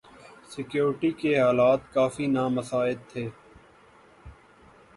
security کے حالات کافی نامساعد تھے